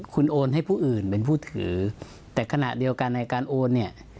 คุณโอนให้ผู้อื่นเป็นผู้ถือแต่ขณะเดียวกันในการโอนเนี่ย